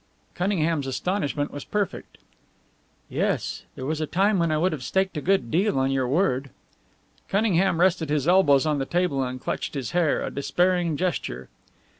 Cunningham's astonishment was perfect. "Yes. There was a time when I would have staked a good deal on your word." Cunningham rested his elbows on the table and clutched his hair a despairing gesture.